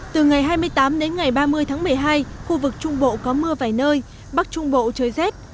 từ ngày hai mươi tám đến ngày ba mươi tháng một mươi hai khu vực trung bộ có mưa vài nơi bắc trung bộ trời rét